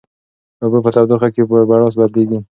اوبه په تودوخه کې په بړاس بدلیږي.